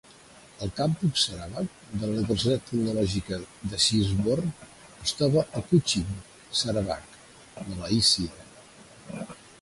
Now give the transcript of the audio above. El campus Sarawak de la Universitat Tecnològica de Swinborn es troba a Kuching, Sarawak (Malàisia).